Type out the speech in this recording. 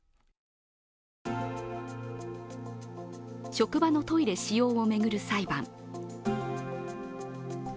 職場のトイレ使用を巡る裁判。